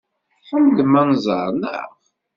Tḥemmlem anẓar, naɣ?